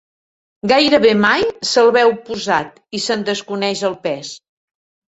Gairebé mai se'l veu posat i se'n desconeix el pes.